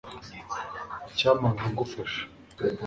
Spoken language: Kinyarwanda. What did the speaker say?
Icyampa nkagufasha